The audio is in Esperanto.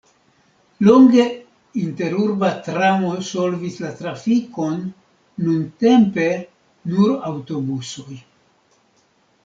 Longe interurba tramo solvis la trafikon, nuntempe nur aŭtobusoj.